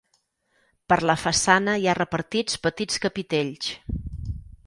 Per la façana hi ha repartits petits capitells.